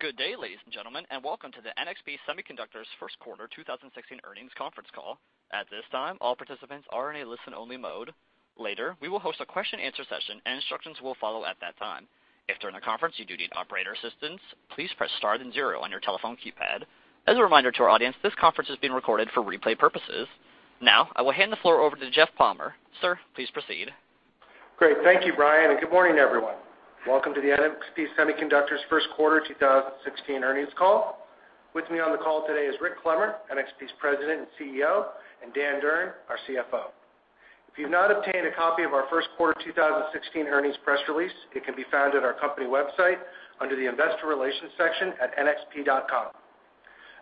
Good day, ladies and gentlemen, welcome to the NXP Semiconductors first quarter 2016 earnings conference call. At this time, all participants are in a listen-only mode. Later, we will host a question and answer session, and instructions will follow at that time. If during the conference you do need operator assistance, please press star then zero on your telephone keypad. As a reminder to our audience, this conference is being recorded for replay purposes. Now, I will hand the floor over to Jeff Palmer. Sir, please proceed. Great. Thank you, Brian, good morning, everyone. Welcome to the NXP Semiconductors first quarter 2016 earnings call. With me on the call today is Rick Clemmer, NXP's President and CEO, and Dan Durn, our CFO. If you've not obtained a copy of our first quarter 2016 earnings press release, it can be found at our company website under the investor relations section at nxp.com.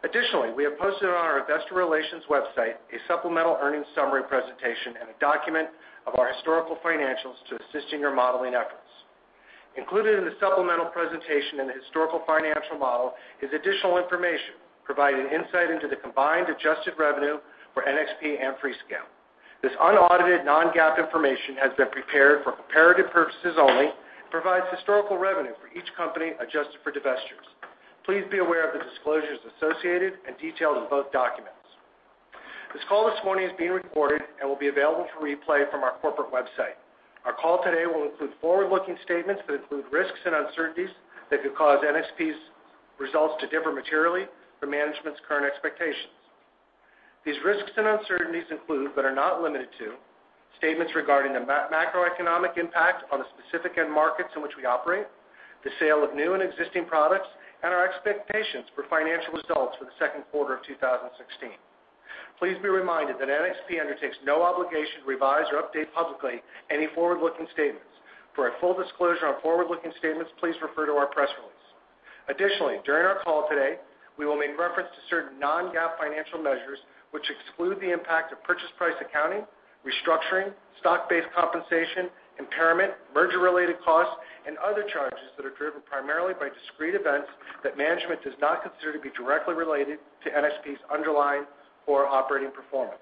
Additionally, we have posted on our investor relations website a supplemental earnings summary presentation and a document of our historical financials to assist in your modeling efforts. Included in the supplemental presentation and the historical financial model is additional information providing insight into the combined adjusted revenue for NXP and Freescale. This unaudited non-GAAP information has been prepared for comparative purposes only and provides historical revenue for each company adjusted for divestitures. Please be aware of the disclosures associated and detailed in both documents. This call this morning is being recorded and will be available for replay from our corporate website. Our call today will include forward-looking statements that include risks and uncertainties that could cause NXP's results to differ materially from management's current expectations. These risks and uncertainties include but are not limited to statements regarding the macroeconomic impact on the specific end markets in which we operate, the sale of new and existing products, and our expectations for financial results for the second quarter of 2016. Please be reminded that NXP undertakes no obligation to revise or update publicly any forward-looking statements. For a full disclosure on forward-looking statements, please refer to our press release. Additionally, during our call today, we will make reference to certain non-GAAP financial measures which exclude the impact of purchase price accounting, restructuring, stock-based compensation, impairment, merger-related costs, and other charges that are driven primarily by discrete events that management does not consider to be directly related to NXP's underlying or operating performance.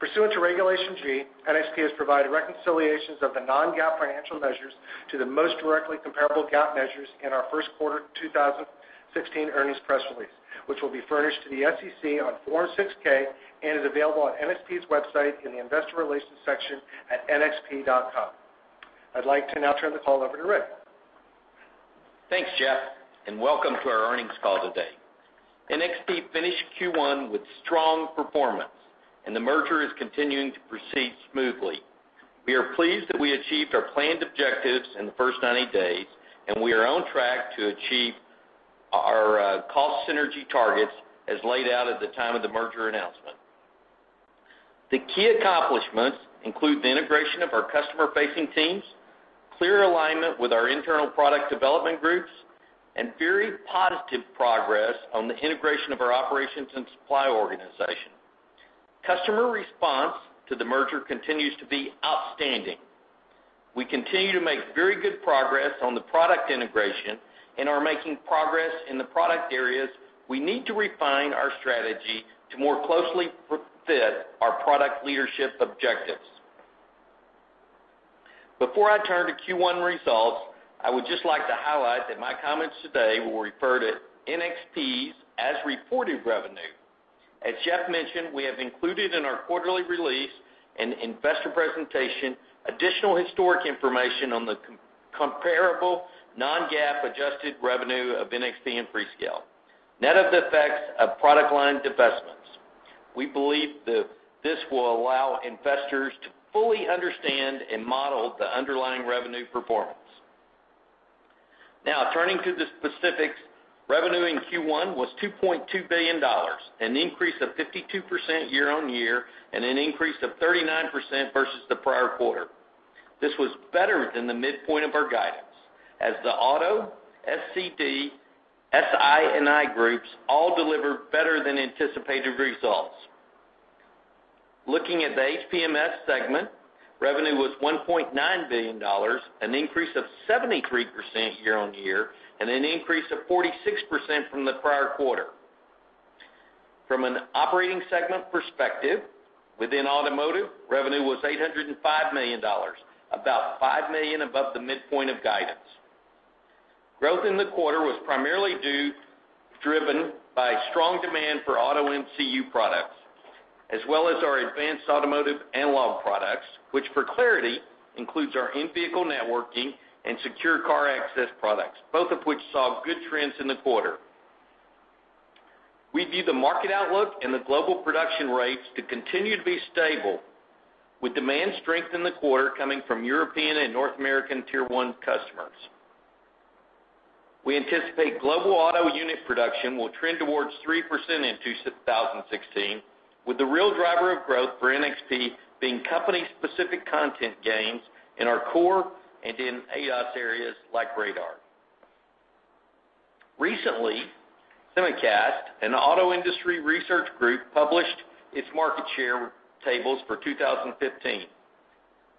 Pursuant to Regulation G, NXP has provided reconciliations of the non-GAAP financial measures to the most directly comparable GAAP measures in our first quarter 2016 earnings press release, which will be furnished to the SEC on Form 6-K and is available on NXP's website in the investor relations section at nxp.com. I'd like to now turn the call over to Rick. Thanks, Jeff, and welcome to our earnings call today. NXP finished Q1 with strong performance, and the merger is continuing to proceed smoothly. We are pleased that we achieved our planned objectives in the first 90 days, and we are on track to achieve our cost synergy targets as laid out at the time of the merger announcement. The key accomplishments include the integration of our customer-facing teams, clear alignment with our internal product development groups, and very positive progress on the integration of our operations and supply organization. Customer response to the merger continues to be outstanding. We continue to make very good progress on the product integration and are making progress in the product areas we need to refine our strategy to more closely fit our product leadership objectives. Before I turn to Q1 results, I would just like to highlight that my comments today will refer to NXP's as-reported revenue. As Jeff mentioned, we have included in our quarterly release and investor presentation additional historic information on the comparable non-GAAP adjusted revenue of NXP and Freescale, net of the effects of product line divestments. We believe that this will allow investors to fully understand and model the underlying revenue performance. Now turning to the specifics, revenue in Q1 was $2.2 billion, an increase of 52% year-on-year and an increase of 39% versus the prior quarter. This was better than the midpoint of our guidance, as the auto, SCD, SI&I groups all delivered better than anticipated results. Looking at the HPMS segment, revenue was $1.9 billion, an increase of 73% year-on-year and an increase of 46% from the prior quarter. From an operating segment perspective, within automotive, revenue was $805 million, about $5 million above the midpoint of guidance. Growth in the quarter was primarily driven by strong demand for auto MCU products, as well as our advanced automotive analog products, which for clarity includes our in-vehicle networking and secure car access products, both of which saw good trends in the quarter. We view the market outlook and the global production rates to continue to be stable, with demand strength in the quarter coming from European and North American tier 1 customers. We anticipate global auto unit production will trend towards 3% in 2016, with the real driver of growth for NXP being company specific content gains in our core and in ADAS areas like radar. Recently, Semicast, an auto industry research group, published its market share tables for 2015.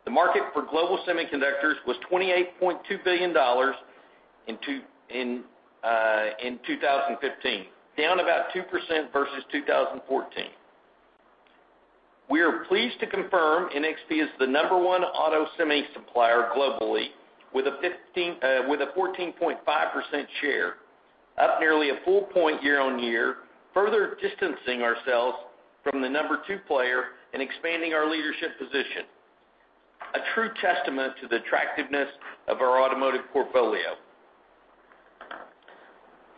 The market for global semiconductors was $28.2 billion in 2015, down about 2% versus 2014. We are pleased to confirm NXP is the number one auto semi supplier globally, with a 14.5% share, up nearly a full point year-on-year, further distancing ourselves from the number 2 player and expanding our leadership position. A true testament to the attractiveness of our automotive portfolio.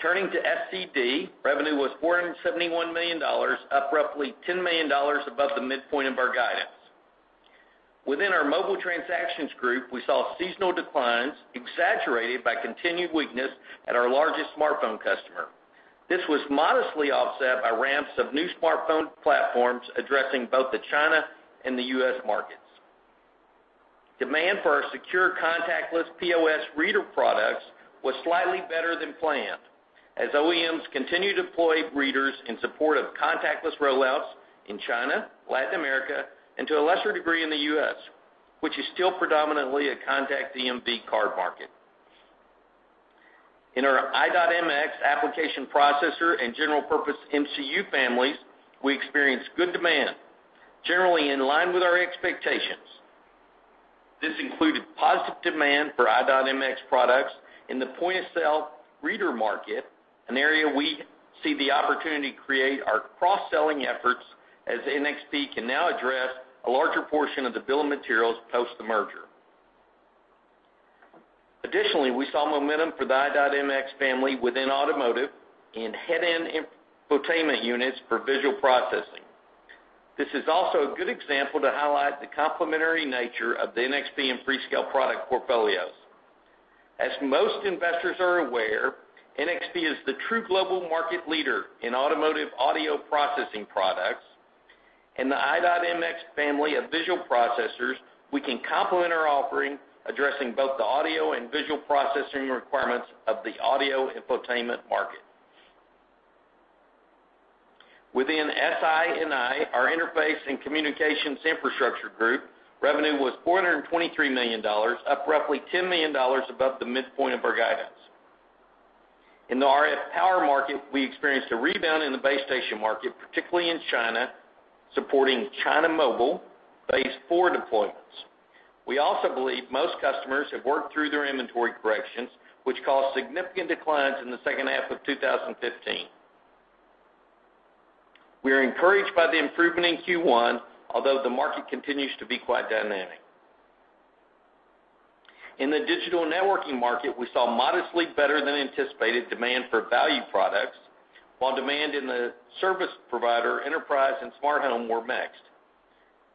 Turning to SCD, revenue was $471 million, up roughly $10 million above the midpoint of our guidance. Within our mobile transactions group, we saw seasonal declines exaggerated by continued weakness at our largest smartphone customer. This was modestly offset by ramps of new smartphone platforms addressing both the China and the U.S. markets. Demand for our secure contactless POS reader products was slightly better than planned as OEMs continue to deploy readers in support of contactless rollouts in China, Latin America, and to a lesser degree, in the U.S., which is still predominantly a contact EMV card market. In our i.MX application processor and general purpose MCU families, we experienced good demand, generally in line with our expectations. This included positive demand for i.MX products in the point-of-sale reader market, an area we see the opportunity to create our cross-selling efforts, as NXP can now address a larger portion of the bill of materials post the merger. Additionally, we saw momentum for the i.MX family within automotive in head-end infotainment units for visual processing. This is also a good example to highlight the complementary nature of the NXP and Freescale product portfolios. As most investors are aware, NXP is the true global market leader in automotive audio processing products and the i.MX family of visual processors, we can complement our offering, addressing both the audio and visual processing requirements of the audio infotainment market. Within SI&I, our interface and communications infrastructure group, revenue was $423 million, up roughly $10 million above the midpoint of our guidance. In the RF Power market, we experienced a rebound in the base station market, particularly in China, supporting China Mobile Phase 4 deployments. We also believe most customers have worked through their inventory corrections, which caused significant declines in the second half of 2015. We are encouraged by the improvement in Q1, although the market continues to be quite dynamic. In the digital networking market, we saw modestly better than anticipated demand for value products, while demand in the service provider, enterprise, and smart home were mixed.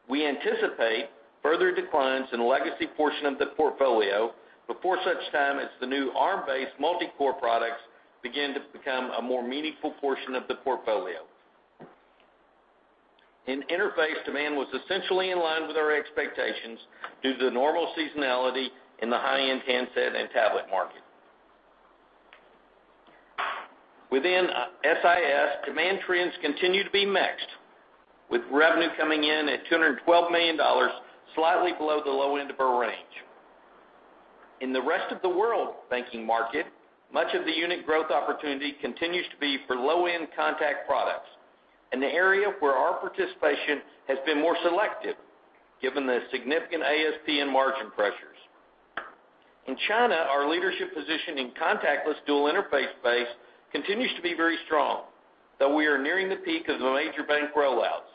We anticipate further declines in the legacy portion of the portfolio before such time as the new Arm-based multi-core products begin to become a more meaningful portion of the portfolio. In interface, demand was essentially in line with our expectations due to the normal seasonality in the high-end handset and tablet market. Within SIS, demand trends continue to be mixed, with revenue coming in at $212 million, slightly below the low end of our range. In the rest of the world banking market, much of the unit growth opportunity continues to be for low-end contact products, an area where our participation has been more selective, given the significant ASP and margin pressures. In China, our leadership position in contactless dual interface space continues to be very strong, though we are nearing the peak of the major bank rollouts.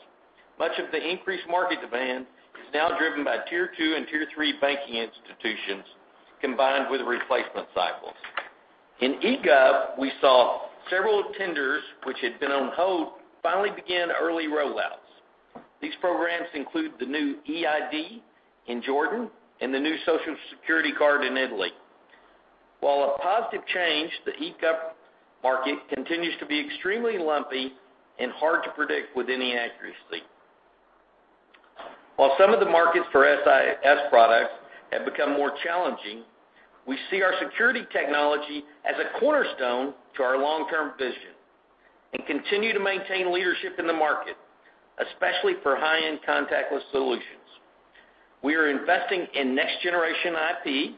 Much of the increased market demand is now driven by tier 2 and tier 3 banking institutions, combined with replacement cycles. In eGov, we saw several tenders which had been on hold finally begin early rollouts. These programs include the new eID in Jordan and the new Social Security card in Italy. While a positive change, the eGov market continues to be extremely lumpy and hard to predict with any accuracy. While some of the markets for SIS products have become more challenging, we see our security technology as a cornerstone to our long-term vision and continue to maintain leadership in the market, especially for high-end contactless solutions. We are investing in next-generation IP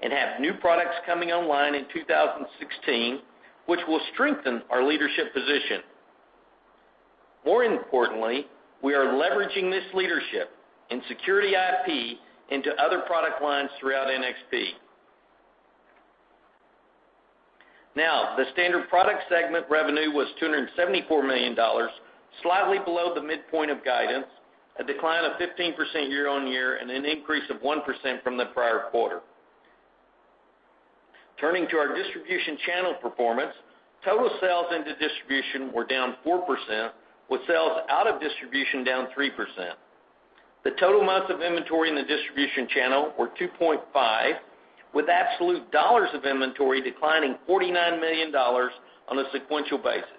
and have new products coming online in 2016, which will strengthen our leadership position. More importantly, we are leveraging this leadership in security IP into other product lines throughout NXP. The Standard Products segment revenue was $274 million, slightly below the midpoint of guidance, a decline of 15% year-over-year and an increase of 1% from the prior quarter. Turning to our distribution channel performance, total sales into distribution were down 4%, with sales out of distribution down 3%. The total months of inventory in the distribution channel were 2.5, with absolute dollars of inventory declining $49 million on a sequential basis.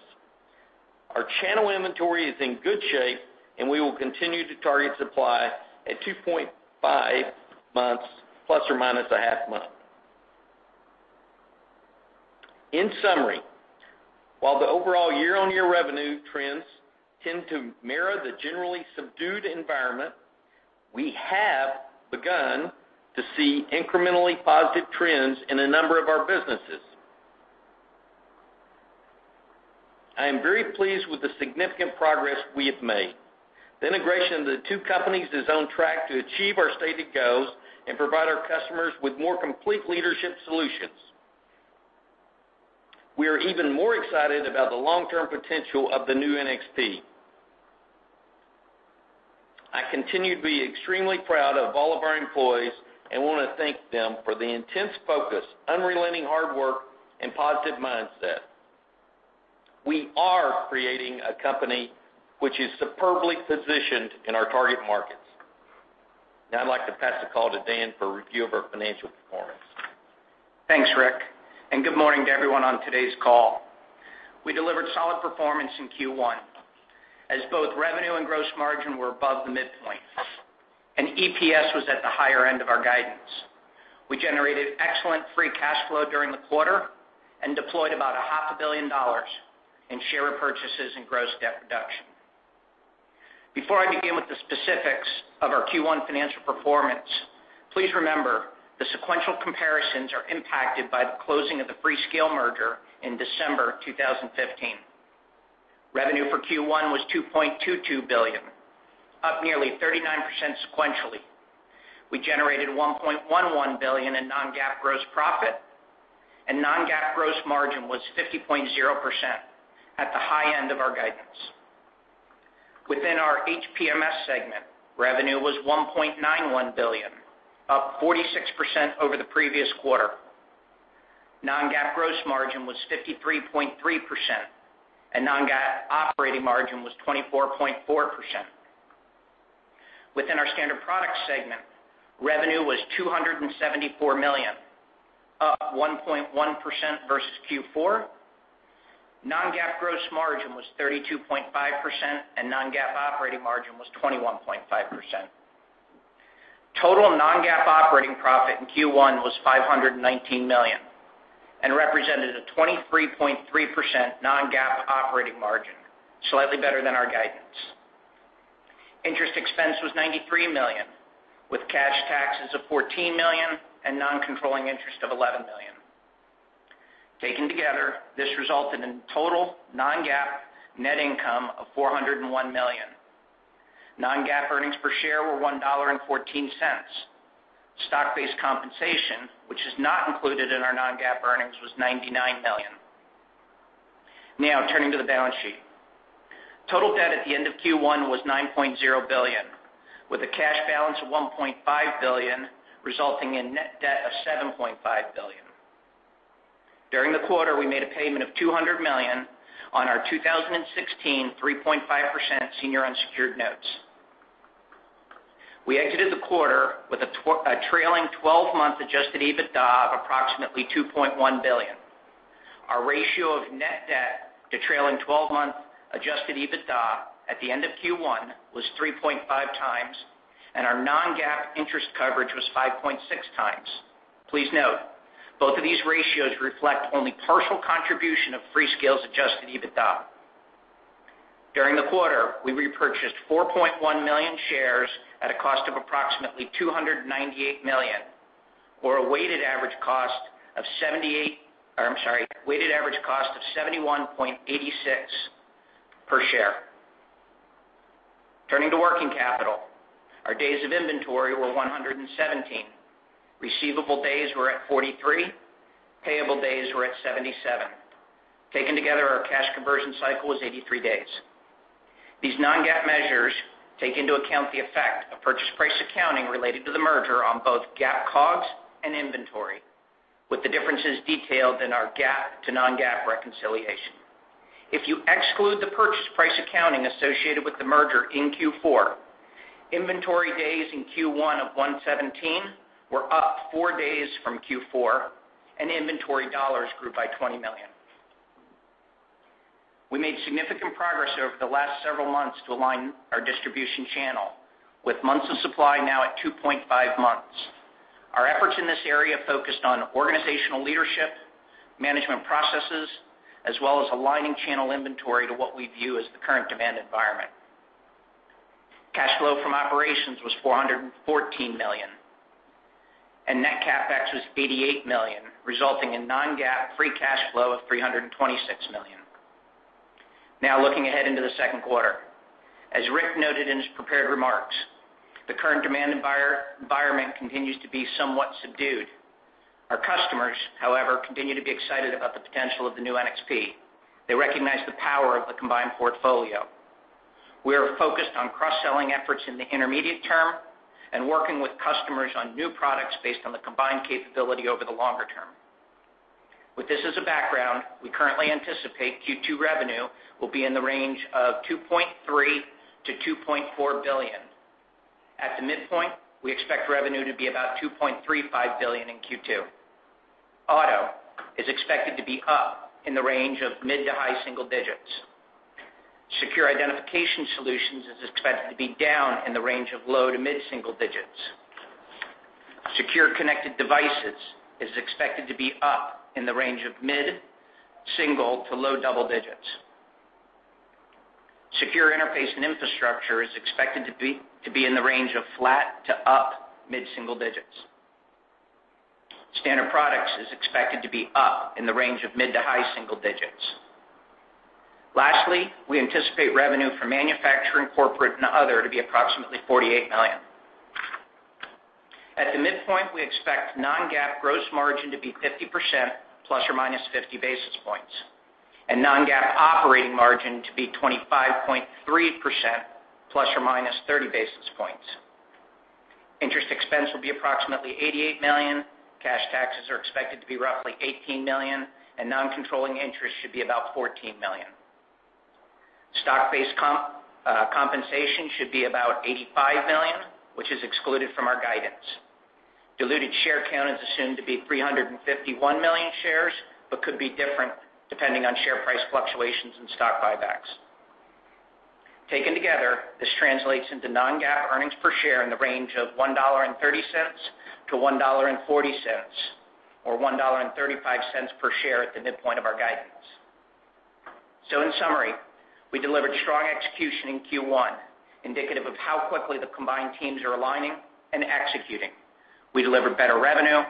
Our channel inventory is in good shape, and we will continue to target supply at 2.5 months ± a half month. In summary, while the overall year-over-year revenue trends tend to mirror the generally subdued environment, we have begun to see incrementally positive trends in a number of our businesses. I am very pleased with the significant progress we have made. The integration of the two companies is on track to achieve our stated goals and provide our customers with more complete leadership solutions. We are even more excited about the long-term potential of the new NXP. I continue to be extremely proud of all of our employees and want to thank them for the intense focus, unrelenting hard work, and positive mindset. We are creating a company which is superbly positioned in our target markets. Now I'd like to pass the call to Dan for a review of our financial performance. Thanks, Rick, and good morning to everyone on today's call. We delivered solid performance in Q1, as both revenue and gross margin were above the midpoint, and EPS was at the higher end of our guidance. We generated excellent free cash flow during the quarter and deployed about a half a billion dollars in share repurchases and gross debt reduction. Before I begin with the specifics of our Q1 financial performance, please remember the sequential comparisons are impacted by the closing of the Freescale merger in December 2015. Revenue for Q1 was $2.22 billion, up nearly 39% sequentially. We generated $1.11 billion in non-GAAP gross profit, and non-GAAP gross margin was 50.0%, at the high end of our guidance. Within our HPMS segment, revenue was $1.91 billion, up 46% over the previous quarter. Non-GAAP gross margin was 53.3%, and non-GAAP operating margin was 24.4%. Within our Standard Products segment, revenue was $274 million, up 1.1% versus Q4. Non-GAAP gross margin was 32.5%, and non-GAAP operating margin was 21.5%. Total non-GAAP operating profit in Q1 was $519 million and represented a 23.3% non-GAAP operating margin, slightly better than our guidance. Interest expense was $93 million, with cash taxes of $14 million and non-controlling interest of $11 million. Taken together, this resulted in total non-GAAP net income of $401 million. Non-GAAP earnings per share were $1.14. Stock-based compensation, which is not included in our non-GAAP earnings, was $99 million. Now turning to the balance sheet. Total debt at the end of Q1 was $9.0 billion, with a cash balance of $1.5 billion, resulting in net debt of $7.5 billion. During the quarter, we made a payment of $200 million on our 2016 3.5% senior unsecured notes. We exited the quarter with a trailing 12-month adjusted EBITDA of approximately $2.1 billion. Our ratio of net debt to trailing 12-month adjusted EBITDA at the end of Q1 was 3.5 times, and our non-GAAP interest coverage was 5.6 times. Please note both of these ratios reflect only partial contribution of Freescale's adjusted EBITDA. During the quarter, we repurchased 4.1 million shares at a cost of approximately $298 million, or a weighted average cost of $71.86 per share. Turning to working capital, our days of inventory were 117. Receivable days were at 43. Payable days were at 77. Taken together, our cash conversion cycle was 83 days. These non-GAAP measures take into account the effect of purchase price accounting related to the merger on both GAAP COGS and inventory, with the differences detailed in our GAAP to non-GAAP reconciliation. If you exclude the purchase price accounting associated with the merger in Q4, inventory days in Q1 of 117 were up 4 days from Q4, and inventory dollars grew by $20 million. We made significant progress over the last several months to align our distribution channel, with months of supply now at 2.5 months. Our efforts in this area focused on organizational leadership, management processes, as well as aligning channel inventory to what we view as the current demand environment. Cash flow from operations was $414 million, and net CapEx was $88 million, resulting in non-GAAP free cash flow of $326 million. Looking ahead into the second quarter. As Rick noted in his prepared remarks, the current demand environment continues to be somewhat subdued. Our customers, however, continue to be excited about the potential of the new NXP. They recognize the power of the combined portfolio. We are focused on cross-selling efforts in the intermediate term and working with customers on new products based on the combined capability over the longer term. With this as a background, we currently anticipate Q2 revenue will be in the range of $2.3 billion-$2.4 billion. At the midpoint, we expect revenue to be about $2.35 billion in Q2. Auto is expected to be up in the range of mid to high single digits. Secure Identification Solutions is expected to be down in the range of low to mid single digits. Secure Connected Devices is expected to be up in the range of mid single to low double digits. Secure Interface and Infrastructure is expected to be in the range of flat to up mid-single digits. Standard Products is expected to be up in the range of mid to high single digits. We anticipate revenue for manufacturing, corporate, and other to be approximately $48 million. At the midpoint, we expect non-GAAP gross margin to be 50%, ±50 basis points, and non-GAAP operating margin to be 25.3%, ±30 basis points. Interest expense will be approximately $88 million, cash taxes are expected to be roughly $18 million, and non-controlling interest should be about $14 million. Stock-based compensation should be about $85 million, which is excluded from our guidance. Diluted share count is assumed to be 351 million shares, but could be different depending on share price fluctuations and stock buybacks. Taken together, this translates into non-GAAP earnings per share in the range of $1.30-$1.40, or $1.35 per share at the midpoint of our guidance. In summary, we delivered strong execution in Q1, indicative of how quickly the combined teams are aligning and executing. We delivered better revenue,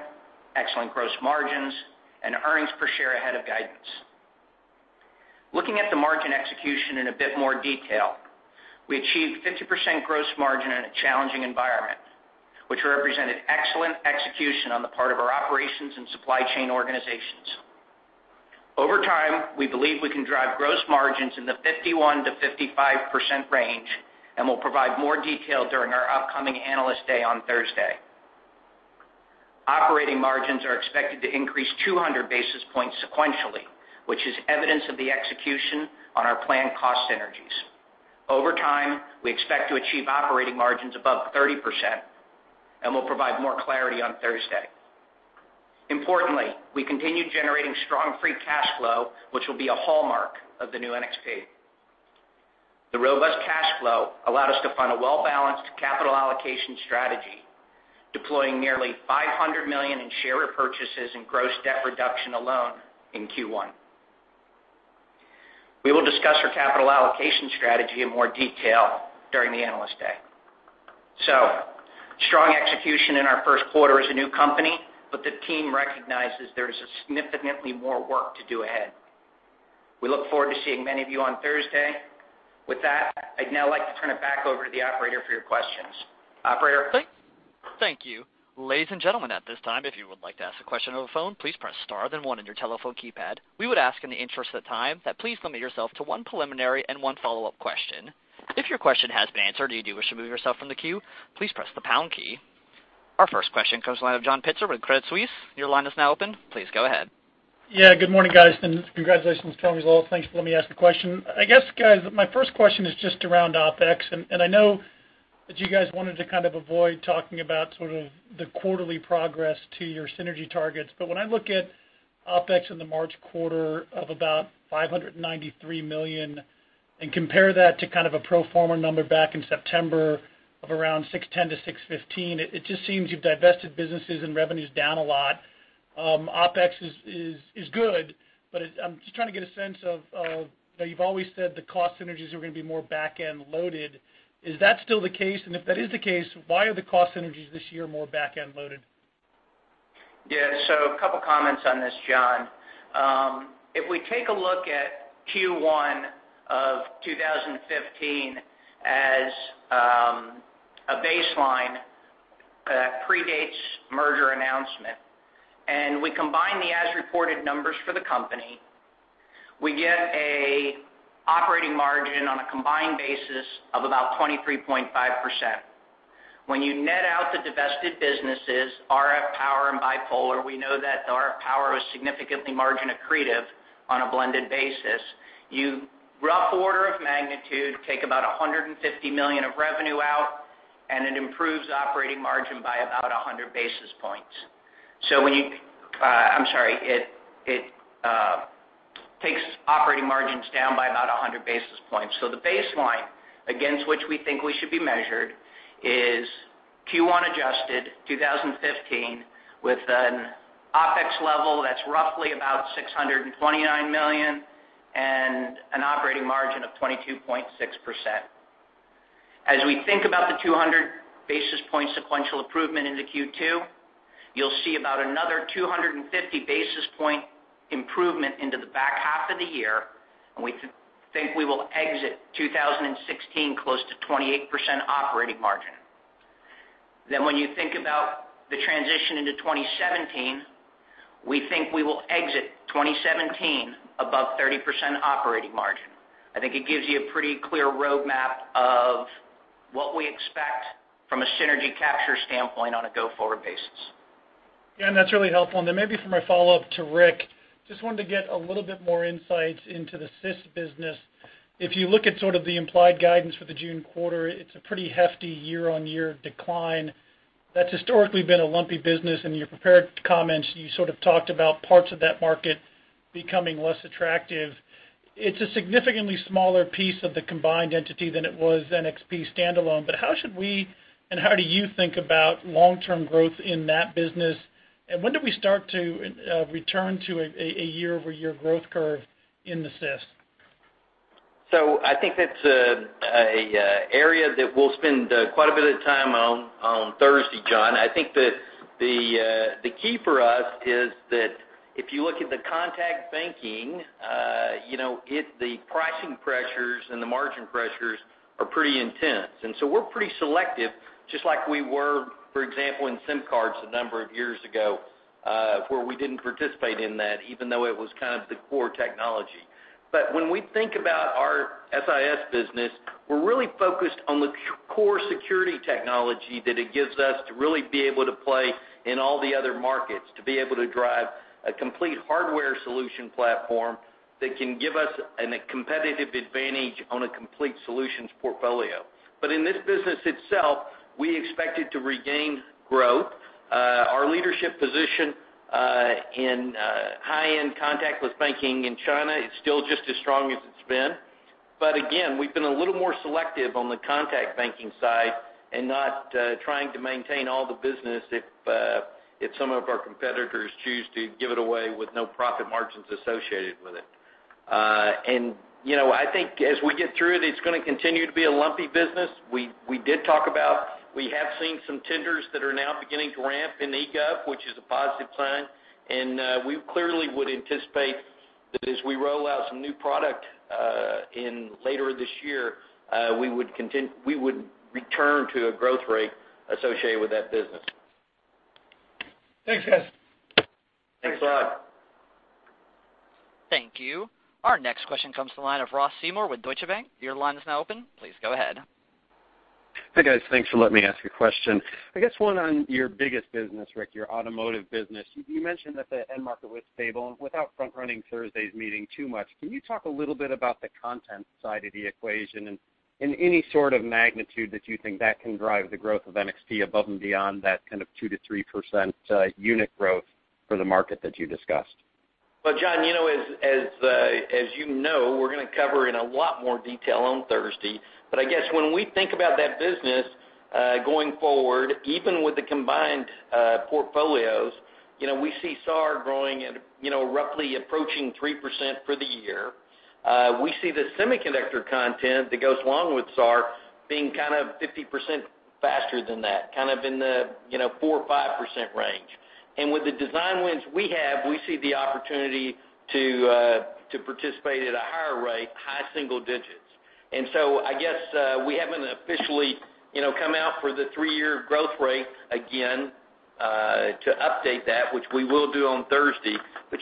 excellent gross margins, and earnings per share ahead of guidance. Looking at the margin execution in a bit more detail, we achieved 50% gross margin in a challenging environment, which represented excellent execution on the part of our operations and supply chain organizations. Over time, we believe we can drive gross margins in the 51%-55% range, and we'll provide more detail during our upcoming Analyst Day on Thursday. Operating margins are expected to increase 200 basis points sequentially, which is evidence of the execution on our planned cost synergies. Over time, we expect to achieve operating margins above 30%, and we'll provide more clarity on Thursday. Importantly, we continue generating strong free cash flow, which will be a hallmark of the new NXP. The robust cash flow allowed us to fund a well-balanced capital allocation strategy, deploying nearly $500 million in share repurchases and gross debt reduction alone in Q1. We will discuss our capital allocation strategy in more detail during the Analyst Day. Strong execution in our first quarter as a new company, the team recognizes there is significantly more work to do ahead. We look forward to seeing many of you on Thursday. With that, I'd now like to turn it back over to the operator for your questions. Operator? Thank you. Ladies and gentlemen, at this time, if you would like to ask a question over the phone, please press star then one on your telephone keypad. We would ask in the interest of time that please limit yourself to one preliminary and one follow-up question. If your question has been answered and you do wish to remove yourself from the queue, please press the pound key. Our first question comes the line of John Pitzer with Credit Suisse. Your line is now open. Please go ahead. Yeah. Good morning, guys, and congratulations. Thanks for letting me ask the question. I guess, guys, my first question is just around OpEx. I know that you guys wanted to kind of avoid talking about sort of the quarterly progress to your synergy targets, when I look at OpEx in the March quarter of about $593 million and compare that to kind of a pro forma number back in September of around $610 million-$615 million, it just seems you've divested businesses and revenue's down a lot. OpEx is good, I'm just trying to get a sense of. You've always said the cost synergies are going to be more back-end loaded. Is that still the case? If that is the case, why are the cost synergies this year more back-end loaded? Yeah. A couple of comments on this, John. If we take a look at Q1 of 2015 as a baseline that predates merger announcement, and we combine the as-reported numbers for the company, we get an operating margin on a combined basis of about 23.5%. When you net out the divested businesses, RF Power and Bipolar, we know that RF Power was significantly margin accretive on a blended basis. You, rough order of magnitude, take about $150 million of revenue out, and it improves operating margin by about 100 basis points. I'm sorry, it takes operating margins down by about 100 basis points. The baseline against which we think we should be measured is Q1 adjusted 2015 with an OpEx level that's roughly about $629 million and an operating margin of 22.6%. As we think about the 200 basis point sequential improvement into Q2, you'll see about another 250 basis point improvement into the back half of the year, and we think we will exit 2016 close to 28% operating margin. When you think about the transition into 2017, we think we will exit 2017 above 30% operating margin. I think it gives you a pretty clear roadmap of what we expect from a synergy capture standpoint on a go-forward basis. Yeah, that's really helpful. Maybe for my follow-up to Rick, just wanted to get a little bit more insight into the SIS business. If you look at sort of the implied guidance for the June quarter, it's a pretty hefty year-on-year decline. That's historically been a lumpy business. In your prepared comments, you sort of talked about parts of that market becoming less attractive. It's a significantly smaller piece of the combined entity than it was NXP standalone. How should we and how do you think about long-term growth in that business? When do we start to return to a year-over-year growth curve in the SIS? I think that's an area that we'll spend quite a bit of time on Thursday, John. I think that the key for us is that if you look at the contact banking, the pricing pressures and the margin pressures are pretty intense. We're pretty selective, just like we were, for example, in SIM cards a number of years ago, where we didn't participate in that, even though it was kind of the core technology. When we think about our SIS business, we're really focused on the core security technology that it gives us to really be able to play in all the other markets, to be able to drive a complete hardware solution platform that can give us a competitive advantage on a complete solutions portfolio. In this business itself, we expect it to regain growth. Our leadership position in high-end contactless banking in China is still just as strong as it's been. Again, we've been a little more selective on the contact banking side and not trying to maintain all the business if some of our competitors choose to give it away with no profit margins associated with it. I think as we get through it's going to continue to be a lumpy business. We did talk about, we have seen some tenders that are now beginning to ramp in eGov, which is a positive sign. We clearly would anticipate that as we roll out some new product later this year, we would return to a growth rate associated with that business. Thanks, guys. Thanks, John. Thank you. Our next question comes to the line of Ross Seymore with Deutsche Bank. Your line is now open. Please go ahead. Hi, guys. Thanks for letting me ask a question. I guess one on your biggest business, Rick, your automotive business. You mentioned that the end market was stable. Without front-running Thursday's meeting too much, can you talk a little bit about the content side of the equation and any sort of magnitude that you think that can drive the growth of NXP above and beyond that kind of 2%-3% unit growth for the market that you discussed? Well, John, as you know, we're going to cover in a lot more detail on Thursday. I guess when we think about that business going forward, even with the combined portfolios, we see SAAR growing at roughly approaching 3% for the year. We see the semiconductor content that goes along with SAAR being 50% faster than that, kind of in the 4% or 5% range. With the design wins we have, we see the opportunity to participate at a higher rate, high single digits. I guess we haven't officially come out for the three-year growth rate again to update that, which we will do on Thursday.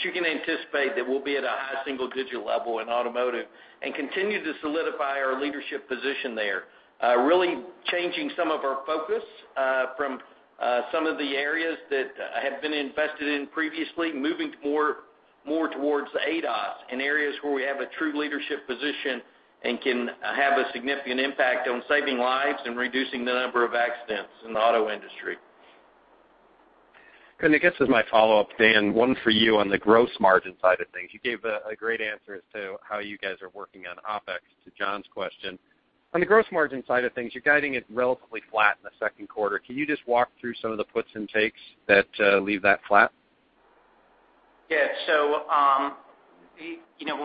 You can anticipate that we'll be at a high single-digit level in automotive and continue to solidify our leadership position there. Really changing some of our focus from some of the areas that have been invested in previously, moving more towards ADAS in areas where we have a true leadership position and can have a significant impact on saving lives and reducing the number of accidents in the auto industry. I guess as my follow-up, Dan, one for you on the gross margin side of things. You gave a great answer as to how you guys are working on OpEx to John's question. On the gross margin side of things, you're guiding it relatively flat in the second quarter. Can you just walk through some of the puts and takes that leave that flat?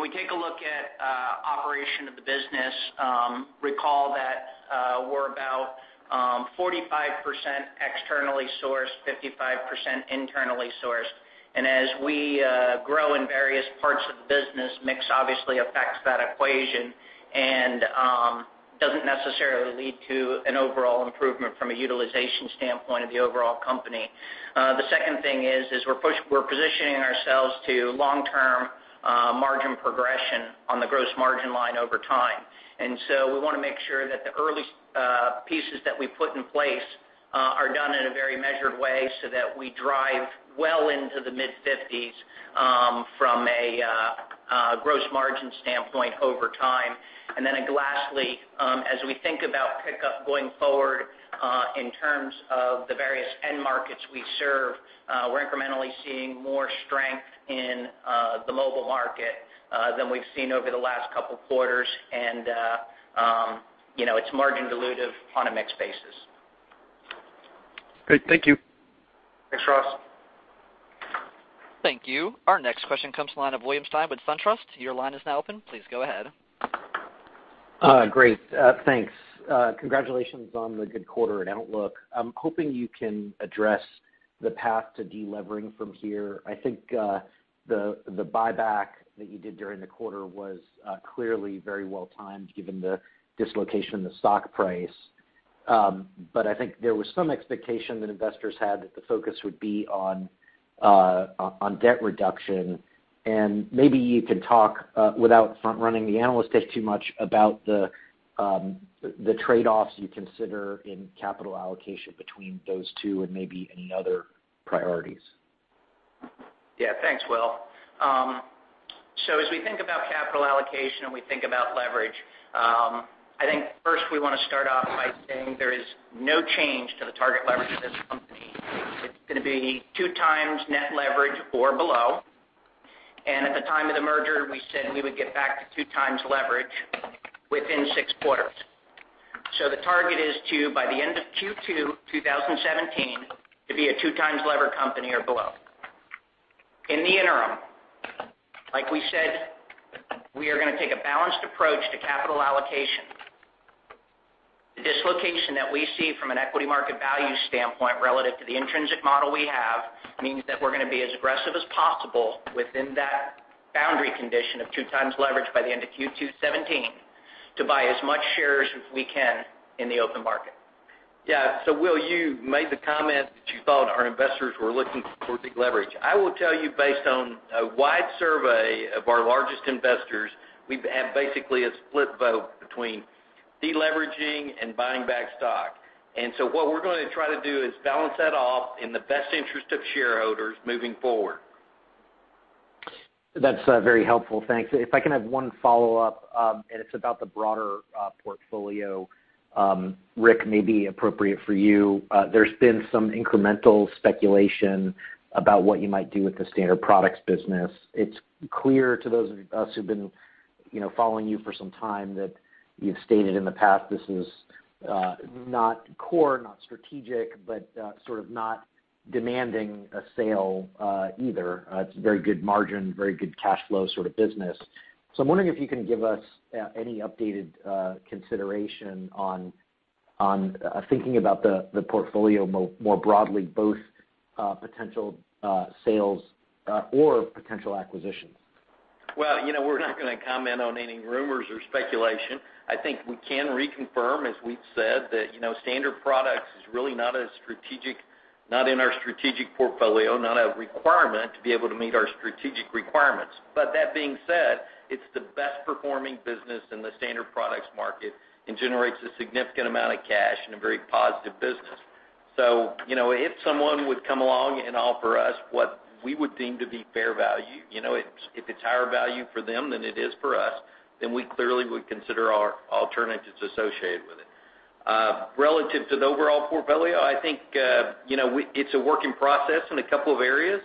When we take a look at operation of the business, recall that we're about 45% externally sourced, 55% internally sourced. As we grow in various parts of the business, mix obviously affects that equation and doesn't necessarily lead to an overall improvement from a utilization standpoint of the overall company. The second thing is, we're positioning ourselves to long-term margin progression on the gross margin line over time. We want to make sure that the early pieces that we put in place are done in a very measured way so that we drive well into the mid-50s from a gross margin standpoint over time. Lastly, as we think about pickup going forward in terms of the various end markets we serve, we're incrementally seeing more strength in the mobile market than we've seen over the last couple of quarters, and it's margin dilutive on a mix basis. Great. Thank you. Thanks, Ross. Thank you. Our next question comes to the line of William Stein with SunTrust. Your line is now open. Please go ahead. Great. Thanks. Congratulations on the good quarter and outlook. I'm hoping you can address the path to delevering from here. I think the buyback that you did during the quarter was clearly very well-timed, given the dislocation in the stock price. I think there was some expectation that investors had that the focus would be on debt reduction. Maybe you can talk, without front-running the analyst day too much, about the trade-offs you consider in capital allocation between those two and maybe any other priorities. Thanks, Will. As we think about capital allocation and we think about leverage, I think first we want to start off by saying there is no change to the target leverage of this company. It's going to be two times net leverage or below. At the time of the merger, we said we would get back to two times leverage within six quarters. The target is to, by the end of Q2 2017, to be a two times lever company or below. In the interim, like we said, we are going to take a balanced approach to capital allocation. The dislocation that we see from an equity market value standpoint relative to the intrinsic model we have means that we're going to be as aggressive as possible within that boundary condition of two times leverage by the end of Q2 2017 to buy as much shares as we can in the open market. Yeah. Will, you made the comment that you thought our investors were looking for de-leverage. I will tell you, based on a wide survey of our largest investors, we have basically a split vote between de-leveraging and buying back stock. What we're going to try to do is balance that off in the best interest of shareholders moving forward. That's very helpful, thanks. If I can have one follow-up, and it's about the broader portfolio. Rick, may be appropriate for you. There's been some incremental speculation about what you might do with the Standard Products business. It's clear to those of us who've been following you for some time that you've stated in the past this is not core, not strategic, but sort of not demanding a sale either. It's very good margin, very good cash flow sort of business. I'm wondering if you can give us any updated consideration on thinking about the portfolio more broadly, both potential sales or potential acquisitions. Well, we're not going to comment on any rumors or speculation. I think we can reconfirm, as we've said, that Standard Products is really not in our strategic portfolio, not a requirement to be able to meet our strategic requirements. That being said, it's the best performing business in the Standard Products market and generates a significant amount of cash in a very positive business. If someone would come along and offer us what we would deem to be fair value, if it's higher value for them than it is for us, we clearly would consider our alternatives associated with it. Relative to the overall portfolio, I think it's a work in process in a couple of areas.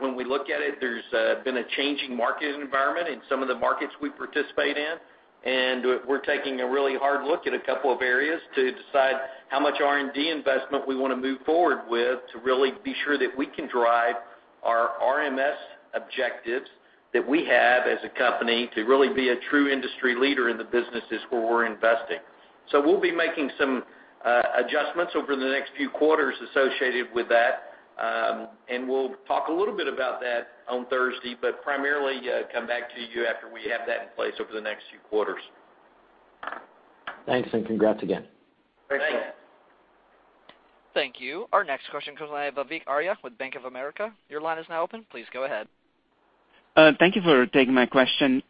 When we look at it, there's been a changing market environment in some of the markets we participate in, and we're taking a really hard look at a couple of areas to decide how much R&D investment we want to move forward with to really be sure that we can drive our RMS objectives that we have as a company to really be a true industry leader in the businesses where we're investing. We'll be making some adjustments over the next few quarters associated with that. We'll talk a little bit about that on Thursday, primarily come back to you after we have that in place over the next few quarters. Thanks. Congrats again. Thanks. Thanks. Thank you. Our next question comes from Vivek Arya with Bank of America. Your line is now open. Please go ahead. Thank you for taking my question.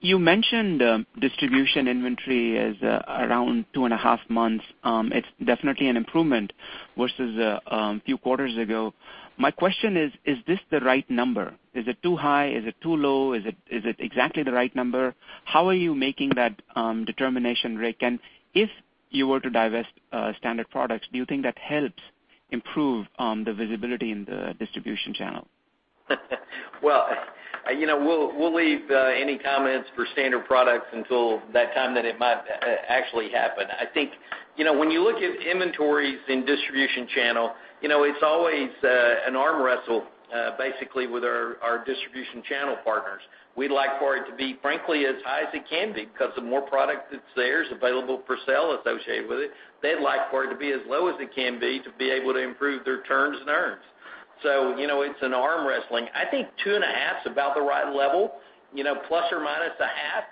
You mentioned distribution inventory is around two and a half months. It's definitely an improvement versus a few quarters ago. My question is this the right number? Is it too high? Is it too low? Is it exactly the right number? How are you making that determination, Rick? If you were to divest standard products, do you think that helps improve the visibility in the distribution channel? Well, we'll leave any comments for standard products until that time that it might actually happen. I think when you look at inventories in distribution channel, it's always an arm wrestle basically with our distribution channel partners. We'd like for it to be, frankly, as high as it can be because the more product that's there is available for sale associated with it. They'd like for it to be as low as it can be to be able to improve their terms and earnings. It's an arm wrestling. I think two and a half's about the right level, plus or minus a half.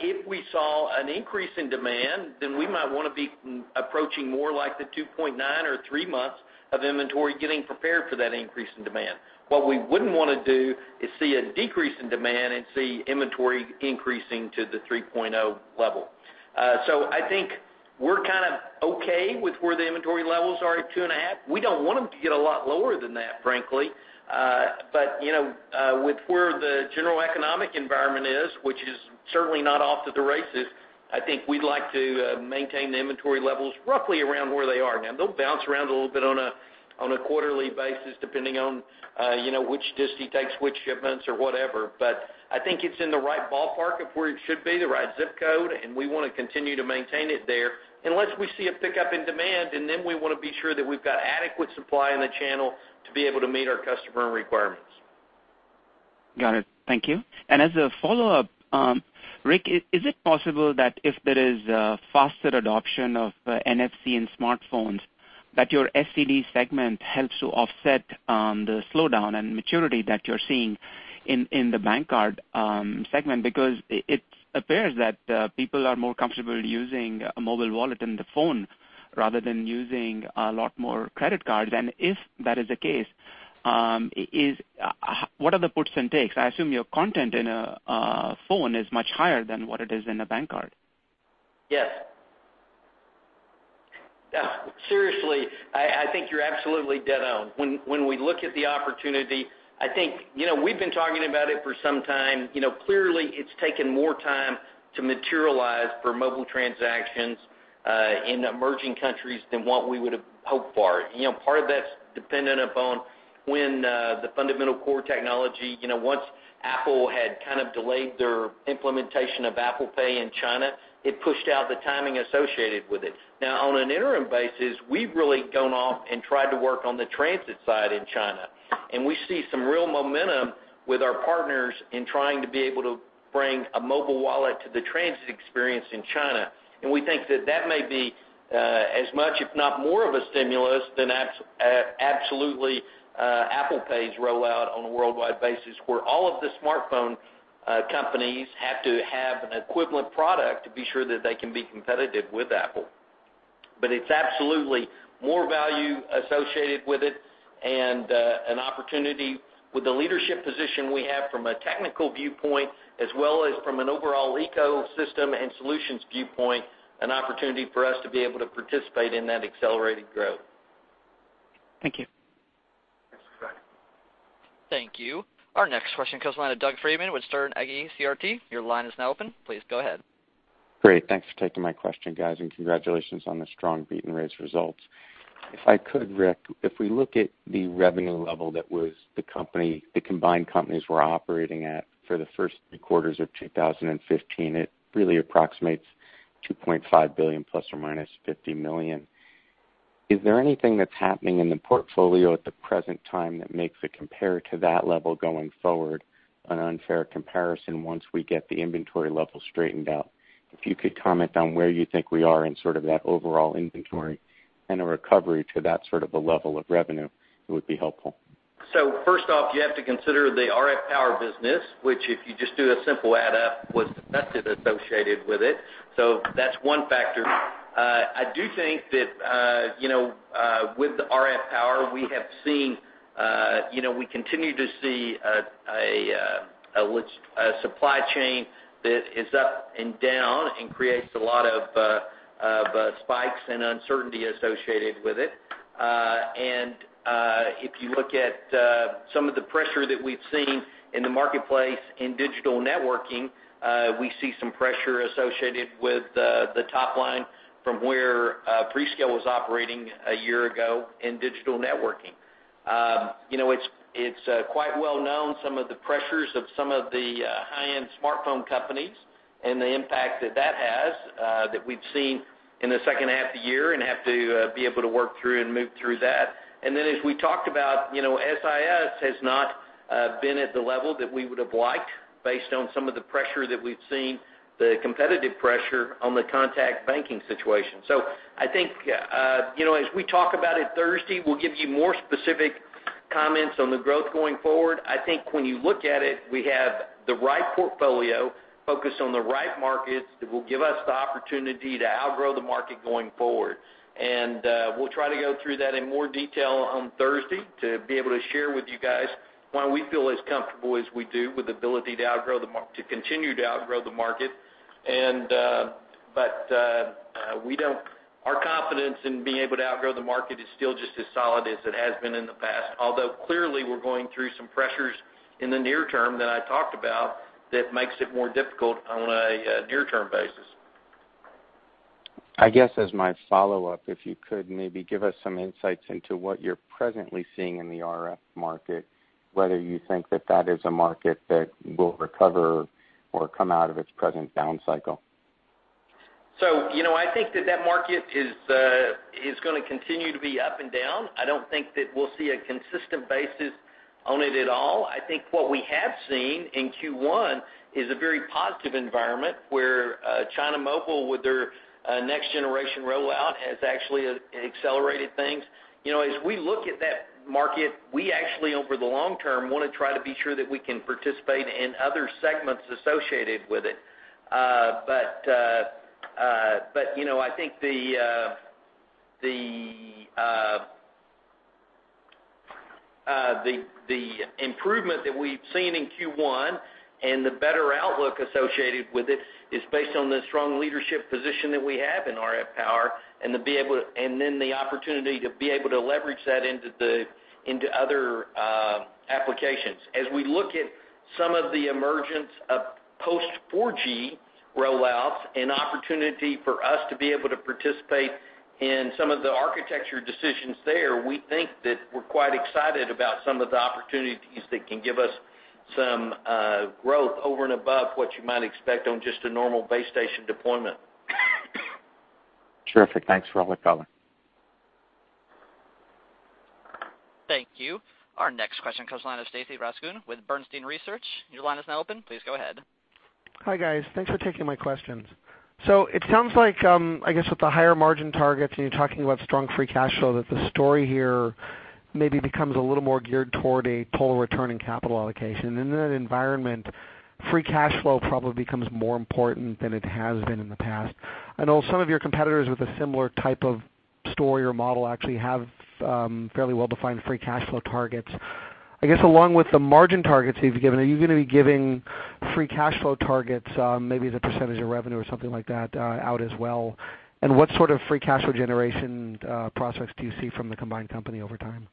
If we saw an increase in demand, then we might want to be approaching more like the 2.9 or 3 months of inventory getting prepared for that increase in demand. What we wouldn't want to do is see a decrease in demand and see inventory increasing to the 3.0 level. I think we're kind of okay with where the inventory levels are at 2.5. We don't want them to get a lot lower than that, frankly. With where the general economic environment is, which is certainly not off to the races, I think we'd like to maintain the inventory levels roughly around where they are now. They'll bounce around a little bit on a quarterly basis, depending on which distri takes which shipments or whatever. I think it's in the right ballpark of where it should be, the right zip code, and we want to continue to maintain it there unless we see a pickup in demand, and then we want to be sure that we've got adequate supply in the channel to be able to meet our customer requirements. Got it. Thank you. As a follow-up, Rick, is it possible that if there is a faster adoption of NFC in smartphones, that your SCD segment helps to offset the slowdown and maturity that you're seeing in the bank card segment? Because it appears that people are more comfortable using a mobile wallet in the phone rather than using a lot more credit cards. If that is the case, what are the puts and takes? I assume your content in a phone is much higher than what it is in a bank card. Yes. Seriously, I think you're absolutely dead on. When we look at the opportunity, I think we've been talking about it for some time. Clearly, it's taken more time to materialize for mobile transactions in emerging countries than what we would have hoped for. Part of that's dependent upon when the fundamental core technology, once Apple had kind of delayed their implementation of Apple Pay in China, it pushed out the timing associated with it. Now, on an interim basis, we've really gone off and tried to work on the transit side in China, and we see some real momentum with our partners in trying to be able to bring a mobile wallet to the transit experience in China. We think that that may be as much, if not more of a stimulus, than absolutely Apple Pay's rollout on a worldwide basis, where all of the smartphone companies have to have an equivalent product to be sure that they can be competitive with Apple. It's absolutely more value associated with it and an opportunity with the leadership position we have from a technical viewpoint, as well as from an overall ecosystem and solutions viewpoint, an opportunity for us to be able to participate in that accelerated growth. Thank you. Thanks, you've got it. Thank you. Our next question comes line of Doug Freedman with Sterne Agee CRT. Your line is now open. Please go ahead. Great. Thanks for taking my question, guys, and congratulations on the strong beat and raise results. If I could, Rick, if we look at the revenue level that was the combined companies were operating at for the first three quarters of 2015, it really approximates $2.5 billion plus or minus $50 million. Is there anything that's happening in the portfolio at the present time that makes it compare to that level going forward an unfair comparison once we get the inventory level straightened out? If you could comment on where you think we are in sort of that overall inventory and a recovery to that sort of a level of revenue, it would be helpful. First off, you have to consider the RF Power business, which, if you just do a simple add up, was invested associated with it. That's one factor. I do think that with the RF Power, we continue to see a supply chain that is up and down and creates a lot of spikes and uncertainty associated with it. If you look at some of the pressure that we've seen in the marketplace in digital networking, we see some pressure associated with the top line from where Freescale was operating a year ago in digital networking. It's quite well known some of the pressures of some of the high-end smartphone companies and the impact that that has, that we've seen in the second half of the year and have to be able to work through and move through that. Then, as we talked about, SIS has not been at the level that we would've liked based on some of the pressure that we've seen, the competitive pressure on the contact banking situation. I think, as we talk about it Thursday, we'll give you more specific comments on the growth going forward. I think when you look at it, we have the right portfolio focused on the right markets that will give us the opportunity to outgrow the market going forward. We'll try to go through that in more detail on Thursday to be able to share with you guys why we feel as comfortable as we do with ability to continue to outgrow the market. Our confidence in being able to outgrow the market is still just as solid as it has been in the past. Clearly we're going through some pressures in the near term that I talked about that makes it more difficult on a near-term basis. I guess as my follow-up, if you could maybe give us some insights into what you're presently seeing in the RF market, whether you think that that is a market that will recover or come out of its present down cycle. I think that that market is going to continue to be up and down. I don't think that we'll see a consistent basis on it at all. I think what we have seen in Q1 is a very positive environment where China Mobile, with their next generation rollout, has actually accelerated things. As we look at that market, we actually, over the long term, want to try to be sure that we can participate in other segments associated with it. I think the improvement that we've seen in Q1 and the better outlook associated with it is based on the strong leadership position that we have in RF Power and then the opportunity to be able to leverage that into other applications. As we look at some of the emergence of post 4G rollouts and opportunity for us to be able to participate in some of the architecture decisions there, we think that we're quite excited about some of the opportunities that can give us some growth over and above what you might expect on just a normal base station deployment. Terrific. Thanks for all the color. Thank you. Our next question comes line of Stacy Rasgon with Bernstein Research. Your line is now open. Please go ahead. Hi, guys. Thanks for taking my questions. It sounds like, I guess with the higher margin targets, and you're talking about strong free cash flow, that the story here maybe becomes a little more geared toward a total return in capital allocation. In that environment, free cash flow probably becomes more important than it has been in the past. I know some of your competitors with a similar type of story or model actually have fairly well-defined free cash flow targets. I guess along with the margin targets that you've given, are you going to be giving free cash flow targets, maybe as a percentage of revenue or something like that, out as well? What sort of free cash flow generation prospects do you see from the combined company over time?